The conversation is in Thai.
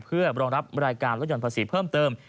เพื่อรองรับรายการลดห่อนภาษีเพิ่มเติม